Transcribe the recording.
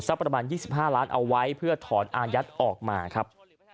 ประมาณ๒๕ล้านเอาไว้เพื่อถอนอายัดออกมาครับ